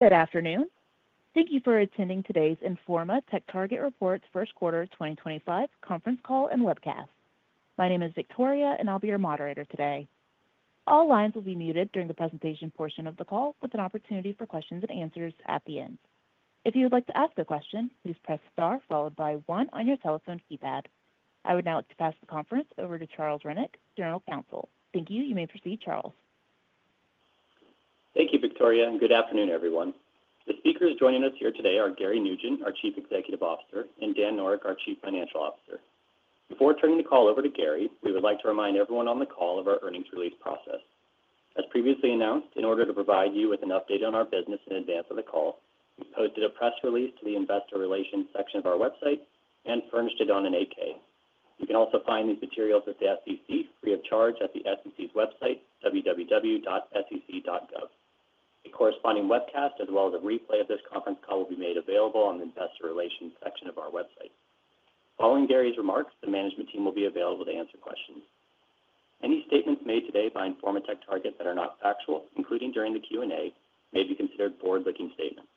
Good afternoon. Thank you for attending today's Informa TechTarget reports first quarter 2025 conference call and webcast. My name is Victoria, and I'll be your moderator today. All lines will be muted during the presentation portion of the call, with an opportunity for questions-and-answers at the end. If you would like to ask a question, please press star followed by one on your telephone keypad. I would now like to pass the conference over to Charles Rennick, General Counsel. Thank you. You may proceed, Charles. Thank you, Victoria, and good afternoon, everyone. The speakers joining us here today are Gary Nugent, our Chief Executive Officer, and Dan Noreck, our Chief Financial Officer. Before turning the call over to Gary, we would like to remind everyone on the call of our earnings release process. As previously announced, in order to provide you with an update on our Business in advance of the call, we posted a press release to the Investor Relations section of our website and furnished it on an 8-K. You can also find these materials at the SEC free of charge at the SEC's website, www.sec.gov. A corresponding webcast, as well as a replay of this conference call, will be made available on the Investor Relations section of our website. Following Gary's remarks, the Management team will be available to answer questions. Any statements made today by Informa TechTarget that are not factual, including during the Q&A, may be considered forward-looking statements.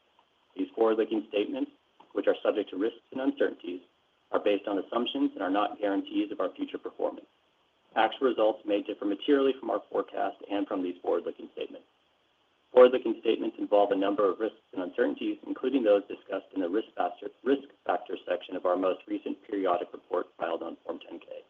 These forward-looking statements, which are subject to risks and uncertainties, are based on assumptions and are not guarantees of our future performance. Actual results may differ materially from our forecast and from these forward-looking statements. Forward-looking statements involve a number of risks and uncertainties, including those discussed in the Risk Factor section of our most recent periodic report filed on Form 10-K.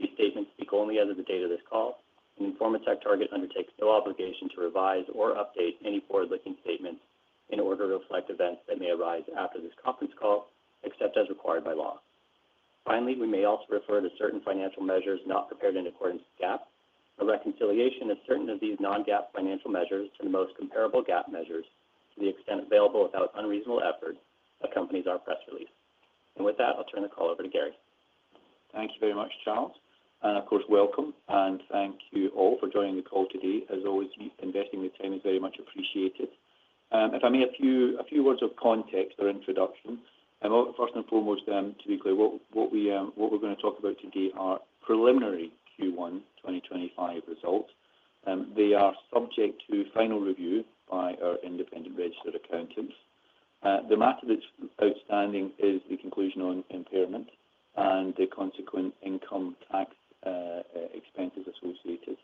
These statements speak only as of the date of this call, and Informa TechTarget undertakes no obligation to revise or update any forward-looking statements in order to reflect events that may arise after this conference call, except as required by law. Finally, we may also refer to certain financial measures not prepared in accordance with GAAP. A reconciliation of certain of these non-GAAP financial measures to the most comparable GAAP measures, to the extent available without unreasonable effort, accompanies our press release. With that, I'll turn the call over to Gary. Thank you very much, Charles. Of course, welcome. Thank you all for joining the call today. As always, investing your time is very much appreciated. If I may, a few words of context or introduction. First and foremost, to be clear, what we are going to talk about today are preliminary Q1 2025 results. They are subject to final review by our independent registered accountants. The matter that is outstanding is the conclusion on impairment and the consequent income tax expenses associated.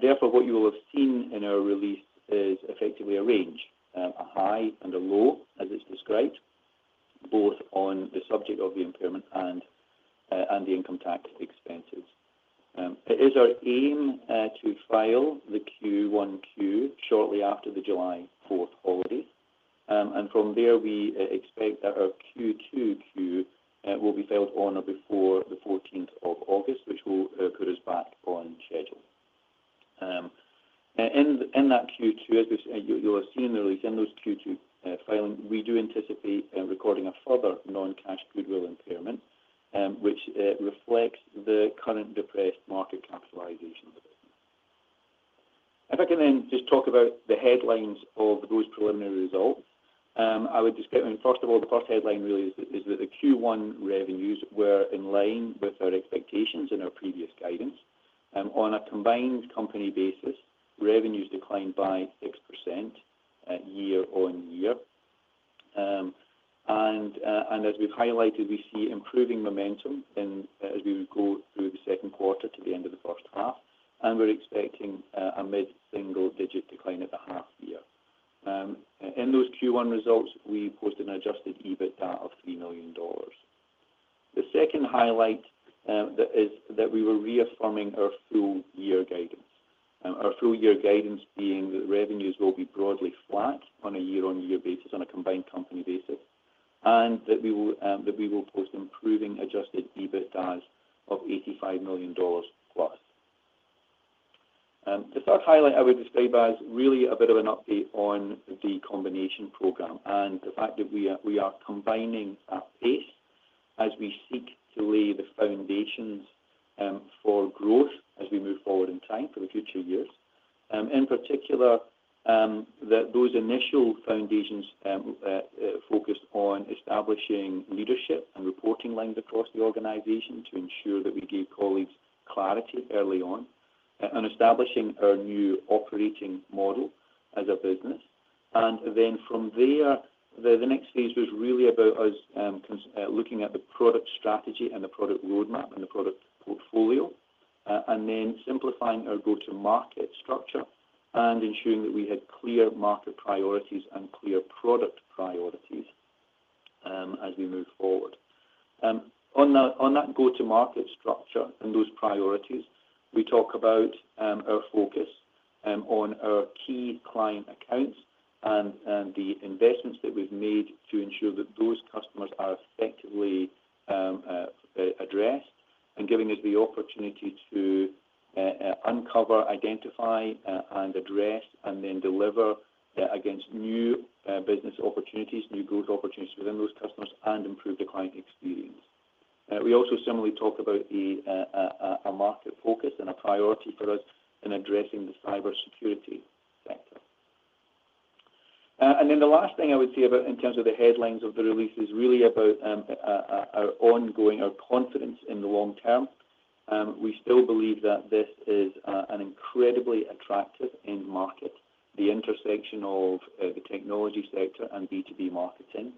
Therefore, what you will have seen in our release is effectively a range, a high and a low, as it is described, both on the subject of the impairment and the income tax expenses. It is our aim to file the Q1Q shortly after the July 4th holiday. From there, we expect that our Q2Q will be filed on or before the 14th of August, which will put us back on schedule. In that Q2, as you'll have seen in the release, in those Q2 filings, we do anticipate recording a further non-cash goodwill impairment, which reflects the current depressed market capitalization of the business. If I can then just talk about the headlines of those preliminary results, I would describe, first of all, the first headline really is that the Q1 revenues were in line with our expectations and our previous guidance. On a combined company basis, revenues declined by 6% year-on-year. As we've highlighted, we see improving momentum as we go through the second quarter to the end of the first half. We're expecting a mid-single-digit decline at the half year. In those Q1 results, we posted an Adjusted EBITDA of $3 million. The second highlight is that we were reaffirming our full-year guidance. Our full-year guidance being that revenues will be broadly flat on a year-on-year basis, on a combined company basis, and that we will post improving Adjusted EBITDAs of $85 million+. The third highlight I would describe as really a bit of an update on the combination program and the fact that we are combining at pace as we seek to lay the foundations for growth as we move forward in time for the future years. In particular, those initial foundations focused on establishing leadership and reporting lines across the organization to ensure that we gave colleagues clarity early on, and establishing our new operating model as a business. The next phase was really about us looking at the product strategy and the product roadmap and the product portfolio, and then simplifying our go-to-market structure and ensuring that we had clear market priorities and clear product priorities as we move forward. On that go-to-market structure and those priorities, we talk about our focus on our key client accounts and the investments that we've made to ensure that those customers are effectively addressed and giving us the opportunity to uncover, identify, and address, and then deliver against new business opportunities, new growth opportunities within those customers, and improve the client experience. We also similarly talk about a market focus and a priority for us in addressing the Cybersecurity sector. The last thing I would say in terms of the headlines of the release is really about our ongoing confidence in the long-term. We still believe that this is an incredibly attractive end-market. The intersection of the technology sector and B2B marketing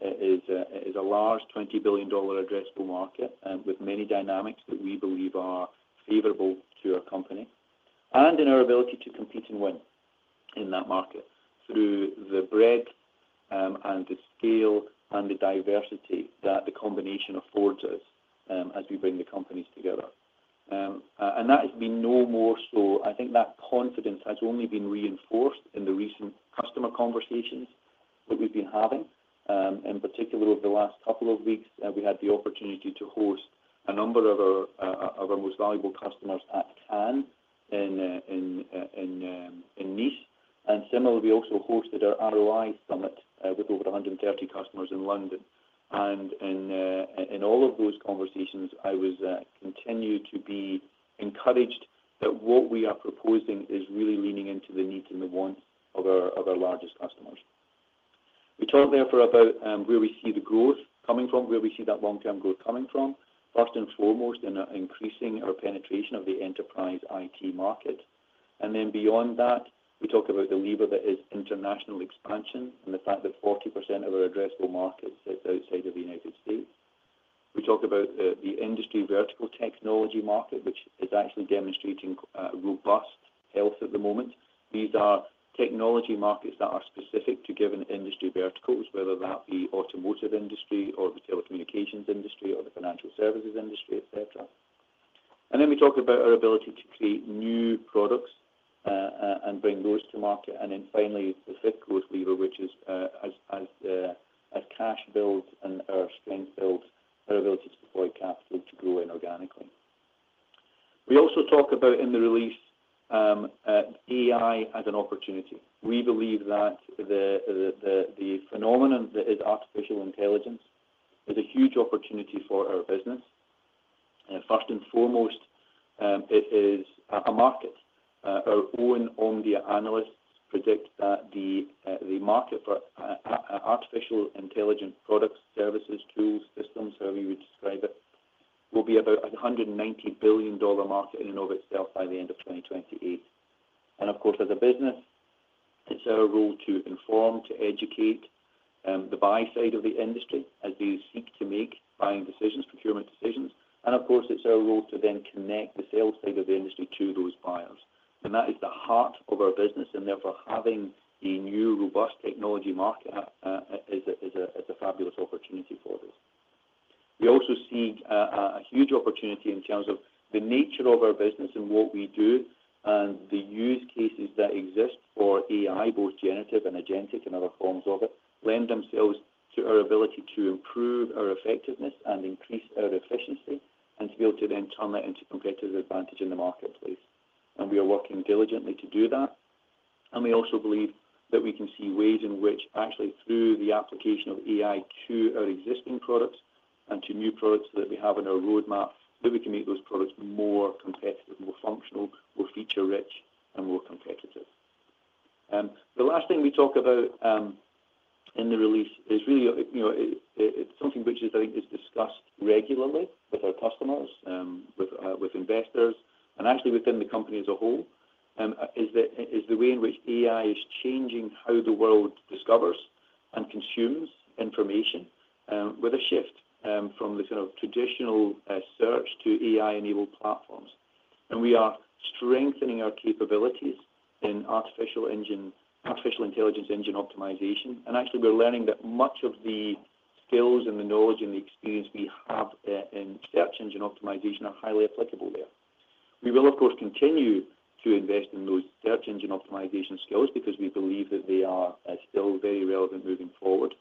is a large $20 billion addressable market with many dynamics that we believe are favorable to our company and in our ability to compete and win in that market through the breadth and the scale and the diversity that the combination affords us as we bring the companies together. That has been no more so. I think that confidence has only been reinforced in the recent customer conversations that we've been having. In particular, over the last couple of weeks, we had the opportunity to host a number of our most valuable customers at Cannes in Nice. Similarly, we also hosted our ROI summit with over 130 customers in London. In all of those conversations, I was continued to be encouraged that what we are proposing is really leaning into the needs and the wants of our largest customers. We talked therefore about where we see the growth coming from, where we see that long-term growth coming from, first and foremost in increasing our penetration of the enterprise IT market. Beyond that, we talk about the lever that is international expansion and the fact that 40% of our addressable market sits outside of the United States. We talk about the industry vertical technology market, which is actually demonstrating robust health at the moment. These are technology markets that are specific to given industry verticals, whether that be the automotive industry or the telecommunications industry or the financial services industry, etc. We talk about our ability to create new products and bring those to market. Finally, the fifth growth lever, which is as cash builds and our strength builds, our ability to deploy capital to grow inorganically. We also talk about in the release AI as an opportunity. We believe that the phenomenon that is artificial intelligence is a huge opportunity for our business. First and foremost, it is a market. Our own Omdia analysts predict that the market for artificial intelligence products, services, tools, systems, however you would describe it, will be about a $190 billion market in and of itself by the end of 2028. Of course, as a business, it is our role to inform, to educate the buy side of the industry as they seek to make buying decisions, procurement decisions. Of course, it is our role to then connect the sales side of the industry to those buyers. That is the heart of our business. Having a new robust technology market is a fabulous opportunity for this. We also see a huge opportunity in terms of the nature of our business and what we do and the use cases that exist for AI, both Generative and Agentic and other forms of it, lend themselves to our ability to improve our effectiveness and increase our efficiency and to be able to then turn that into competitive advantage in the marketplace. We are working diligently to do that. We also believe that we can see ways in which, actually, through the application of AI to our existing products and to new products that we have in our roadmap, we can make those products more competitive, more functional, more feature-rich, and more competitive. The last thing we talk about in the release is really something which is, I think, discussed regularly with our customers, with investors, and actually within the company as a whole, is the way in which AI is changing how the world discovers and consumes information with a shift from the kind of traditional search to AI-enabled platforms. We are strengthening our capabilities in artificial intelligence engine optimization. Actually, we're learning that much of the skills and the knowledge and the experience we have in search engine optimization are highly applicable there. We will, of course, continue to invest in those search engine optimization skills because we believe that they are still very relevant moving forward.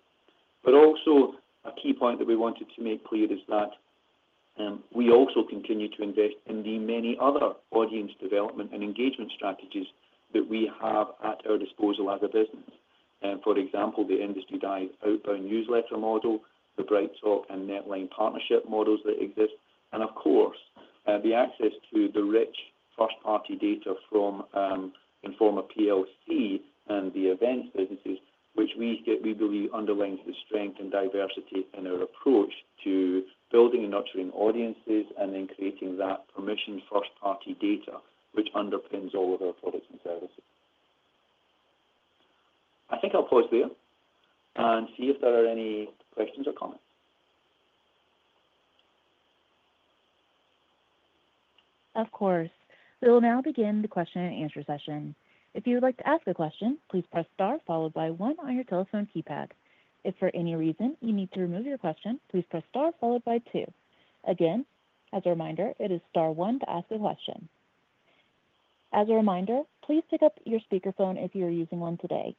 Also, a key point that we wanted to make clear is that we continue to invest in the many other audience development and engagement strategies that we have at our disposal as a business. For example, the Industry Dive outbound newsletter model, the BrightTALK and NetLine partnership models that exist, and of course, the access to the rich first-party data from Informa PLC and the events businesses, which we believe underlines the strength and diversity in our approach to building and nurturing audiences and then creating that permissioned first-party data, which underpins all of our products and services. I think I'll pause there and see if there are any questions or comments. Of course. We will now begin the question-and-answer session. If you would like to ask a question, please press star followed by one on your telephone keypad. If for any reason you need to remove your question, please press star followed by two. Again, as a reminder, it is star one to ask a question. As a reminder, please pick up your speakerphone if you are using one today.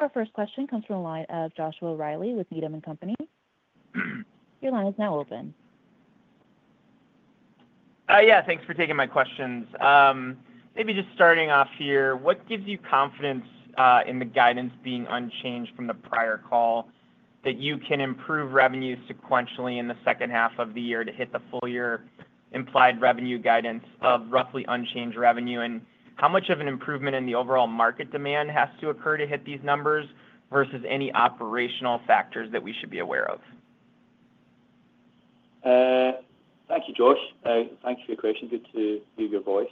Our first question comes from a line of Joshua Reilly with Needham & Company. Your line is now open. Yeah. Thanks for taking my questions. Maybe just starting off here, what gives you confidence in the guidance being unchanged from the prior call that you can improve revenues sequentially in the second half of the year to hit the full-year implied revenue guidance of roughly unchanged revenue? How much of an improvement in the overall market demand has to occur to hit these numbers versus any operational factors that we should be aware of? Thank you, Josh. Thanks for your question. Good to hear your voice.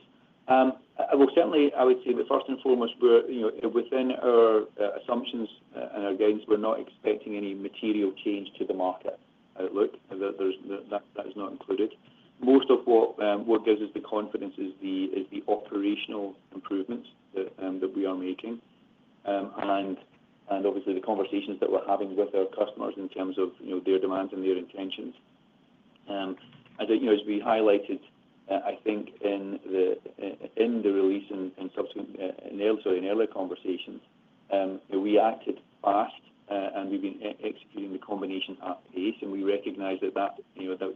Certainly, I would say that first and foremost, within our assumptions and our guidance, we're not expecting any material change to the market outlook. That is not included. Most of what gives us the confidence is the operational improvements that we are making and obviously the conversations that we're having with our customers in terms of their demands and their intentions. As we highlighted, I think, in the release and subsequently in earlier conversations, we acted fast and we've been executing the combination at pace. We recognize that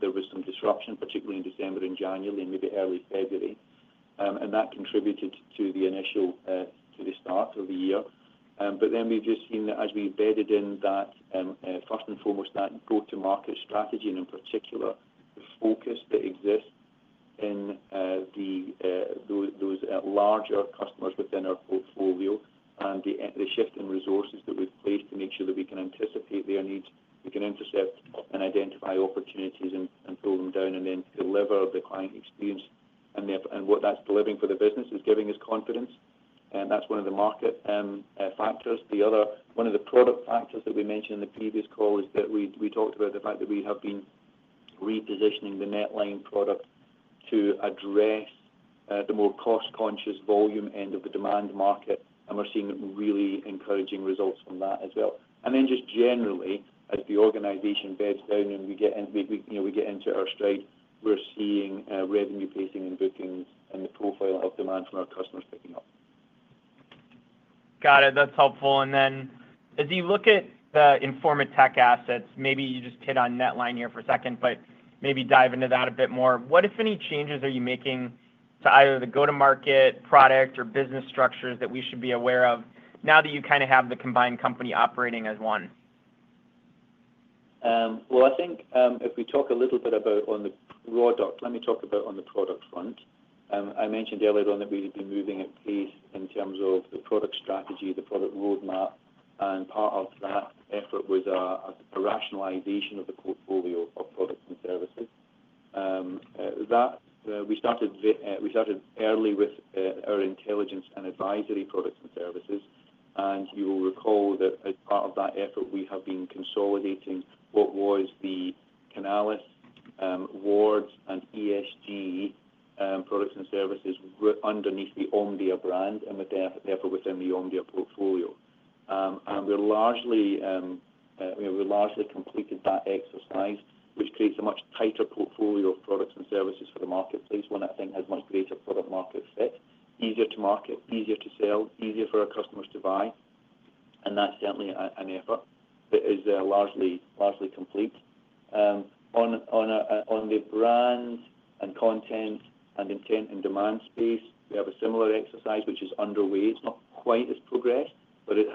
there was some disruption, particularly in December and January and maybe early February. That contributed to the start of the year. We have just seen that as we embedded in, first and foremost, that go-to-market strategy and in particular, the focus that exists in those larger customers within our portfolio and the shift in resources that we have placed to make sure that we can anticipate their needs, we can intercept and identify opportunities and pull them down and then deliver the client experience. What that is delivering for the business is giving us confidence. That is one of the market factors. One of the product factors that we mentioned in the previous call is that we talked about the fact that we have been repositioning the NetLine product to address the more cost-conscious volume end of the demand market. We are seeing really encouraging results from that as well. Just generally, as the organization bids down and we get into our stride, we're seeing revenue pacing and bookings and the profile of demand from our customers picking up. Got it. That's helpful. As you look at the Informa Tech assets, maybe you just hit on NetLine here for a second, but maybe dive into that a bit more. What, if any, changes are you making to either the go-to-market product or business structures that we should be aware of now that you kind of have the combined company operating as one? I think if we talk a little bit about on the product, let me talk about on the product front. I mentioned earlier on that we've been moving at pace in terms of the product strategy, the product roadmap. Part of that effort was a rationalization of the portfolio of products and services. We started early with our intelligence and advisory products and services. You will recall that as part of that effort, we have been consolidating what was the Canalys, Wards, and ESG products and services underneath the Omdia brand and therefore within the Omdia portfolio. We've largely completed that exercise, which creates a much tighter portfolio of products and services for the marketplace, one that I think has much greater product-market fit, easier to market, easier to sell, easier for our customers to buy. That's certainly an effort that is largely complete. On the brand and content and intent and demand space, we have a similar exercise, which is underway. It's not quite as progressed, but it's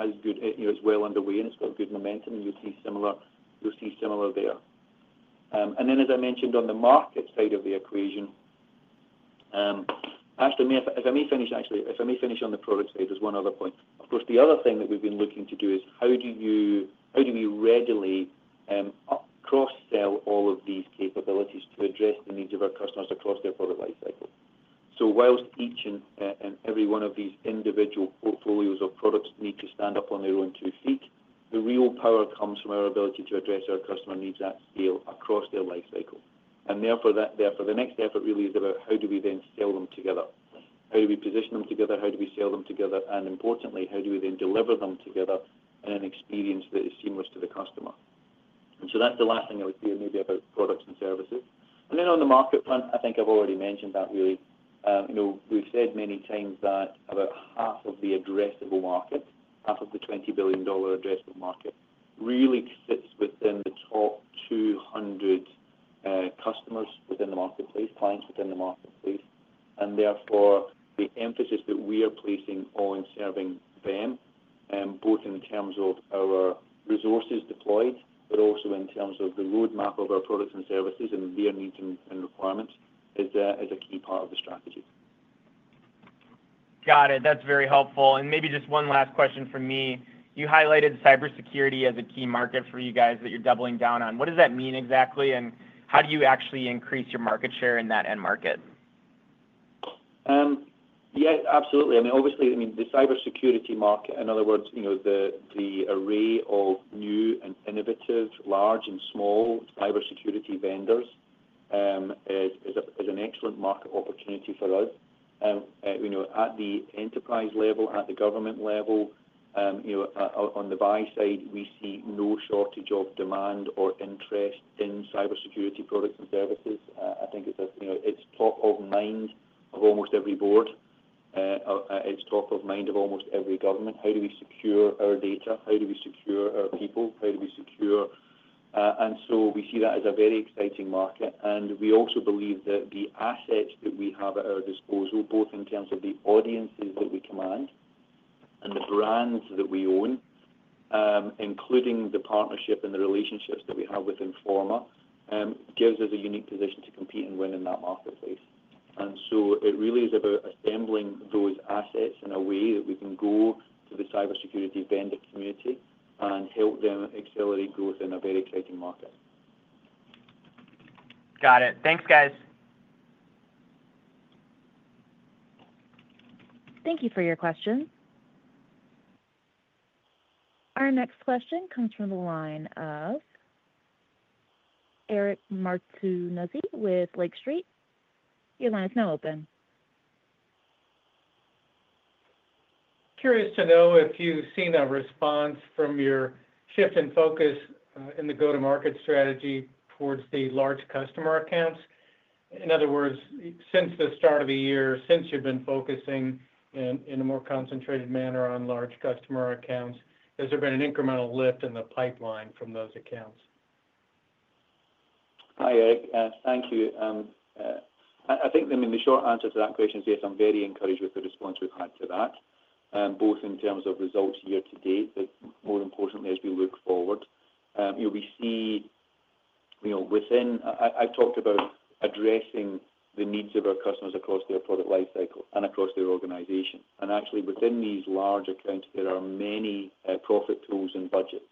well underway and it's got good momentum. You'll see similar there. As I mentioned, on the market side of the equation, actually, if I may finish, actually, if I may finish on the product side, there's one other point. Of course, the other thing that we've been looking to do is how do we readily cross-sell all of these capabilities to address the needs of our customers across their product lifecycle? Whilst each and every one of these individual portfolios of products need to stand up on their own two feet, the real power comes from our ability to address our customer needs at scale across their lifecycle. Therefore, the next effort really is about how do we then sell them together? How do we position them together? How do we sell them together? Importantly, how do we then deliver them together in an experience that is seamless to the customer? That is the last thing I would say maybe about products and services. On the market front, I think I have already mentioned that really. We have said many times that about half of the addressable market, half of the $20 billion addressable market, really sits within the top 200 customers within the marketplace, clients within the marketplace. Therefore, the emphasis that we are placing on serving them, both in terms of our resources deployed, but also in terms of the roadmap of our products and services and their needs and requirements, is a key part of the strategy. Got it. That's very helpful. Maybe just one last question from me. You highlighted Cybersecurity as a key market for you guys that you're doubling down on. What does that mean exactly? How do you actually increase your market share in that end market? Yeah, absolutely. I mean, obviously, the Cybersecurity market, in other words, the array of new and innovative, large and small cybersecurity vendors is an excellent market opportunity for us. At the enterprise level, at the government level, on the buy side, we see no shortage of demand or interest in Cybersecurity products and services. I think it's top of mind of almost every board. It's top of mind of almost every government. How do we secure our data? How do we secure our people? How do we secure? We see that as a very exciting market. We also believe that the assets that we have at our disposal, both in terms of the audiences that we command and the brands that we own, including the partnership and the relationships that we have with Informa, give us a unique position to compete and win in that marketplace. It really is about assembling those assets in a way that we can go to the Cybersecurity Vendor Community and help them accelerate growth in a very exciting market. Got it. Thanks, guys. Thank you for your question. Our next question comes from the line of Eric Martinuzzi with Lake Street. Your line is now open. Curious to know if you've seen a response from your shift in focus in the go-to-market strategy towards the large customer accounts. In other words, since the start of the year, since you've been focusing in a more concentrated manner on large customer accounts, has there been an incremental lift in the pipeline from those accounts? Hi, Eric. Thank you. I think, I mean, the short answer to that question is yes, I'm very encouraged with the response we've had to that, both in terms of results year-to-date, but more importantly, as we look forward, we see within I've talked about addressing the needs of our customers across their product lifecycle and across their organization. Actually, within these large accounts, there are many profit tools and budgets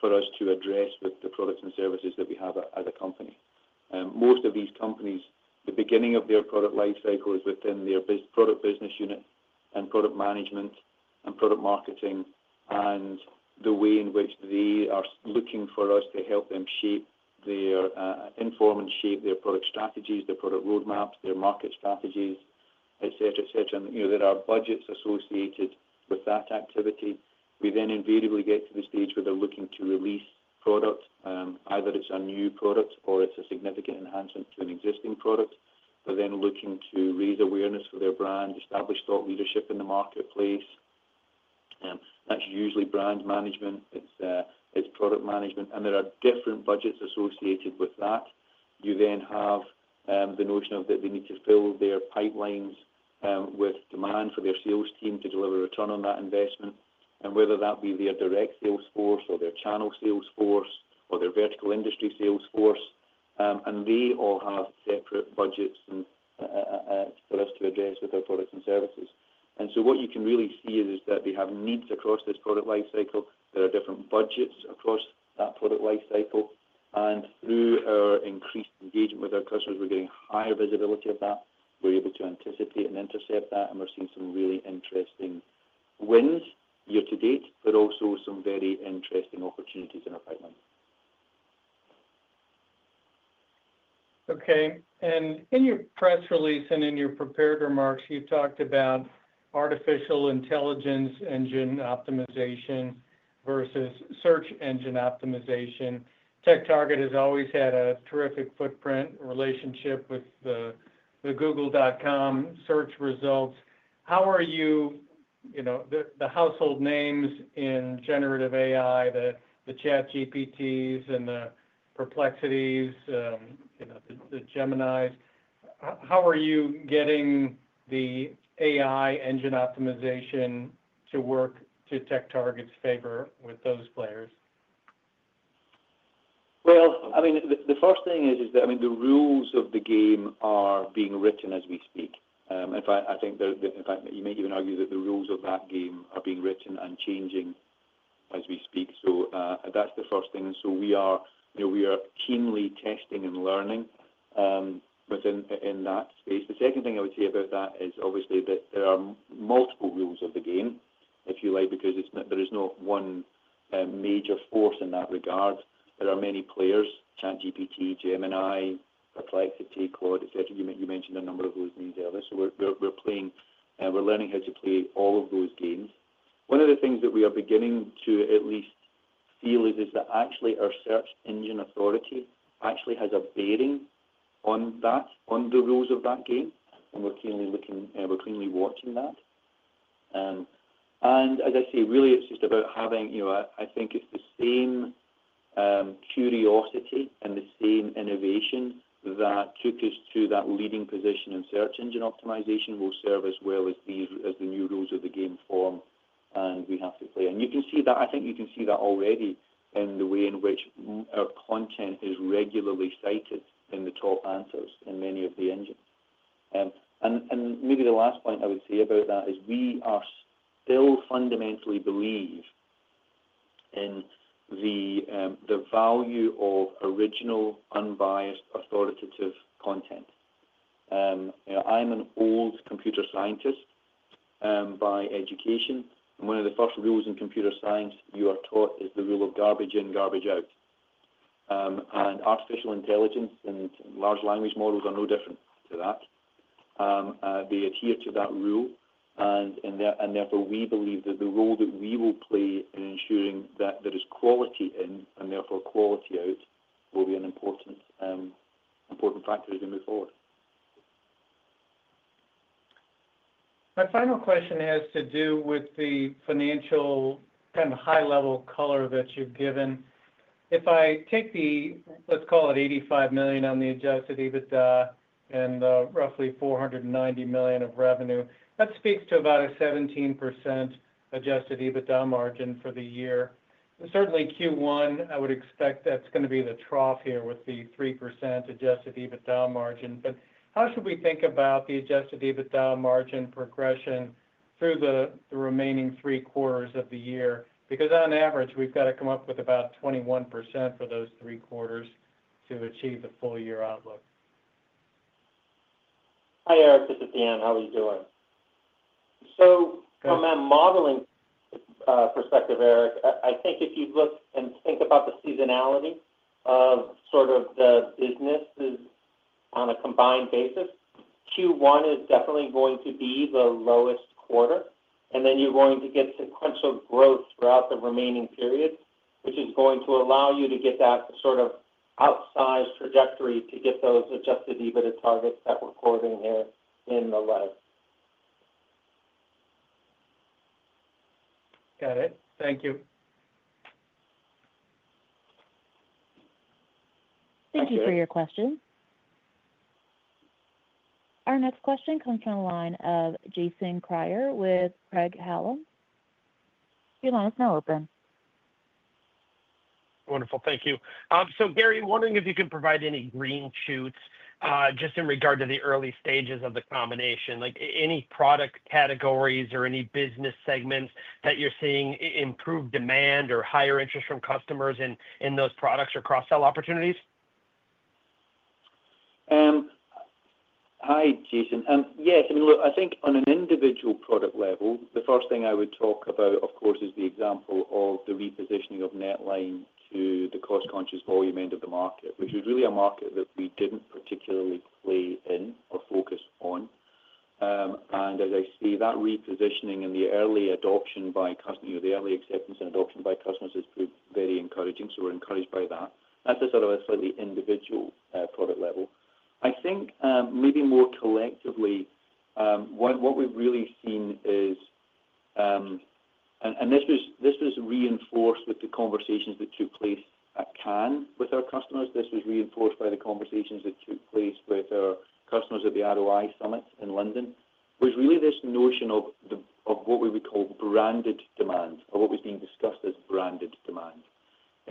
for us to address with the products and services that we have as a company. Most of these companies, the beginning of their product lifecycle is within their product business unit and product management and product marketing and the way in which they are looking for us to help them shape their inform and shape their product strategies, their product roadmaps, their market strategies, etc., etc. There are budgets associated with that activity. We then invariably get to the stage where they're looking to release product, either it's a new product or it's a significant enhancement to an existing product, but then looking to raise awareness for their brand, establish thought leadership in the marketplace. That's usually brand management. It's product management. There are different budgets associated with that. You then have the notion that they need to fill their pipelines with demand for their sales team to deliver return on that investment, whether that be their direct sales force or their channel sales force or their vertical industry sales force. They all have separate budgets for us to address with our products and services. What you can really see is that they have needs across this product lifecycle. There are different budgets across that product lifecycle. Through our increased engagement with our customers, we're getting higher visibility of that. We're able to anticipate and intercept that. We're seeing some really interesting wins year-to-date, but also some very interesting opportunities in our pipeline. Okay. In your press release and in your prepared remarks, you talked about artificial intelligence engine optimization versus search engine optimization. TechTarget has always had a terrific footprint relationship with the google.com search results. How are you the household names in generative AI, the ChatGPTs and the Perplexities, the Geminis? How are you getting the AI engine optimization to work to TechTarget's favor with those players? I mean, the first thing is that, I mean, the rules of the game are being written as we speak. In fact, I think you may even argue that the rules of that game are being written and changing as we speak. That is the first thing. We are keenly testing and learning within that space. The second thing I would say about that is obviously that there are multiple rules of the game, if you like, because there is not one major force in that regard. There are many players: ChatGPT, Gemini, Perplexity, Claude, etc. You mentioned a number of those names earlier. We are learning how to play all of those games. One of the things that we are beginning to at least feel is that actually our search engine authority actually has a bearing on the rules of that game. We're keenly watching that. As I say, really, it's just about having, I think, it's the same curiosity and the same innovation that took us to that leading position in search engine optimization will serve us well as the new rules of the game form and we have to play. I think you can see that already in the way in which our content is regularly cited in the top answers in many of the engines. Maybe the last point I would say about that is we still fundamentally believe in the value of original, unbiased, authoritative content. I'm an old computer scientist by education. One of the first rules in computer science you are taught is the rule of garbage in, garbage out. Artificial intelligence and large language models are no different to that. They adhere to that rule. We believe that the role that we will play in ensuring that there is quality in and therefore quality out will be an important factor as we move forward. My final question has to do with the financial kind of high-level color that you've given. If I take the, let's call it, $85 million on the Adjusted EBITDA and roughly $490 million of revenue, that speaks to about a 17% Adjusted EBITDA margin for the year. Certainly, Q1, I would expect that's going to be the trough here with the 3% Adjusted EBITDA margin. How should we think about the Adjusted EBITDA margin progression through the remaining three quarters of the year? Because on average, we've got to come up with about 21% for those three quarters to achieve the full year outlook. Hi, Eric. This is Dan. How are you doing? From a modeling perspective, Eric, I think if you look and think about the seasonality of sort of the businesses on a combined basis, Q1 is definitely going to be the lowest quarter. Then you're going to get sequential growth throughout the remaining period, which is going to allow you to get that sort of outsized trajectory to get those Adjusted EBITDA targets that we're quoting here in the low. Got it. Thank you. Thank you for your question. Our next question comes from the line of Jason Kreyer with Craig-Hallum. Your line is now open. Wonderful. Thank you. Gary, wondering if you can provide any green shoots just in regard to the early stages of the combination, like any product categories or any business segments that you're seeing improve demand or higher interest from customers in those products or cross-sell opportunities? Hi, Jason. Yes. I mean, look, I think on an individual product level, the first thing I would talk about, of course, is the example of the repositioning of NetLine to the cost-conscious volume end of the market, which was really a market that we did not particularly play in or focus on. As I say, that repositioning and the early adoption by customers, the early acceptance and adoption by customers has proved very encouraging. We are encouraged by that. That is sort of a slightly individual product level. I think maybe more collectively, what we have really seen is, and this was reinforced with the conversations that took place at Cannes with our customers. This was reinforced by the conversations that took place with our customers at the ROI Summit in London. There is really this notion of what we would call branded demand or what was being discussed as branded demand.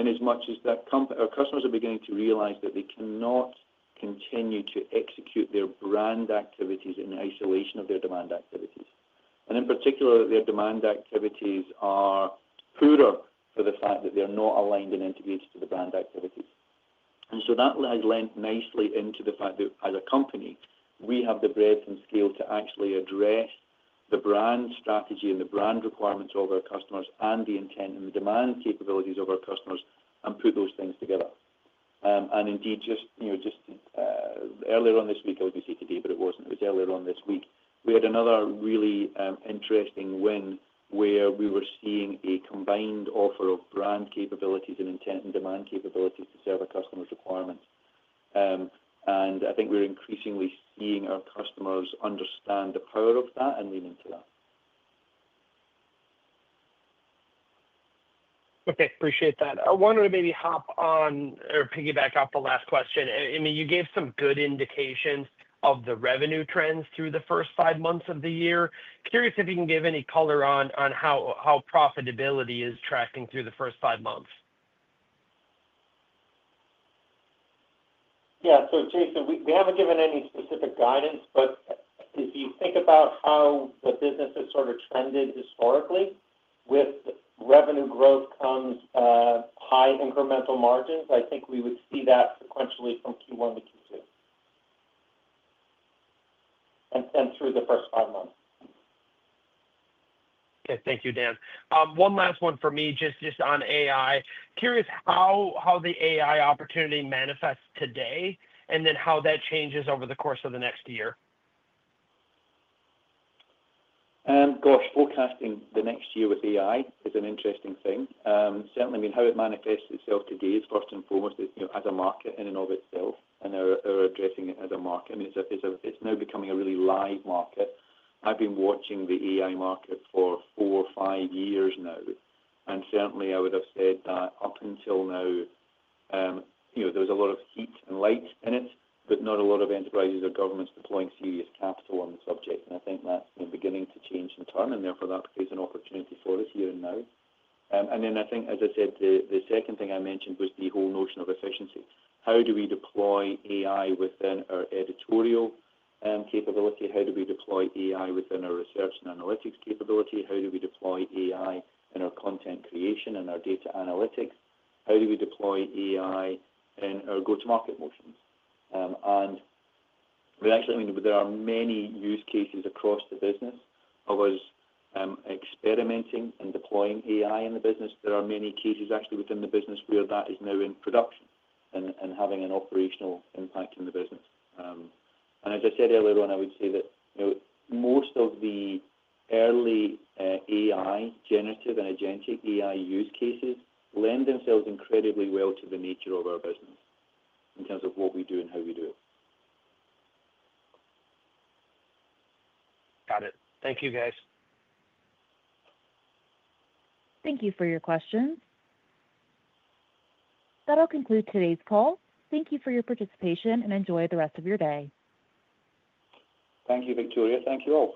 As much as our customers are beginning to realize that they cannot continue to execute their brand activities in isolation of their demand activities, and in particular, that their demand activities are poorer for the fact that they're not aligned and integrated to the brand activities. That has lent nicely into the fact that as a company, we have the breadth and scale to actually address the brand strategy and the brand requirements of our customers and the intent and the demand capabilities of our customers and put those things together. Indeed, just earlier on this week, I was going to say today, but it was not. It was earlier on this week. We had another really interesting win where we were seeing a combined offer of brand capabilities and intent and demand capabilities to serve our customers' requirements. I think we're increasingly seeing our customers understand the power of that and lean into that. Okay. Appreciate that. I wanted to maybe hop on or piggyback off the last question. I mean, you gave some good indications of the revenue trends through the first five months of the year. Curious if you can give any color on how profitability is tracking through the first five months. Yeah. Jason, we haven't given any specific guidance, but if you think about how the business has sort of trended historically, with revenue growth comes high incremental margins. I think we would see that sequentially from Q1 to Q2 and through the first five months. Okay. Thank you, Dan. One last one for me, just on AI. Curious how the AI opportunity manifests today and then how that changes over the course of the next year. Gosh, forecasting the next year with AI is an interesting thing. Certainly, I mean, how it manifests itself today is, first and foremost, as a market in and of itself, and they are addressing it as a market. I mean, it is now becoming a really live market. I have been watching the AI market for four or five years now. Certainly, I would have said that up until now, there was a lot of heat and light in it, but not a lot of enterprises or governments deploying serious capital on the subject. I think that is beginning to change in time. Therefore, that creates an opportunity for us here and now. I think, as I said, the second thing I mentioned was the whole notion of efficiency. How do we deploy AI within our editorial capability? How do we deploy AI within our research and analytics capability? How do we deploy AI in our content creation and our data analytics? How do we deploy AI in our go-to-market motions? I mean, there are many use cases across the business of us experimenting and deploying AI in the business. There are many cases actually within the business where that is now in production and having an operational impact in the business. As I said earlier on, I would say that most of the early AI, Generative and Agentic AI use cases lend themselves incredibly well to the nature of our business in terms of what we do and how we do it. Got it. Thank you, guys. Thank you for your questions. That'll conclude today's call. Thank you for your participation and enjoy the rest of your day. Thank you, Victoria. Thank you all.